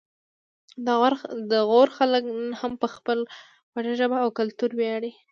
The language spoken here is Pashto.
د غور خلک نن هم په خپله خوږه ژبه او کلتور ویاړي